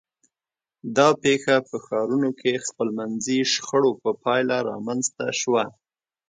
دا پېښه په ښارونو کې خپلمنځي شخړو په پایله رامنځته شوه.